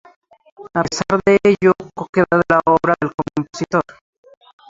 A pesar de ello, poco queda de la obra del compositor.